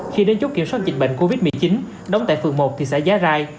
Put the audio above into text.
khi đến chốt kiểm soát dịch bệnh covid một mươi chín đóng tại phường một thị xã giá rai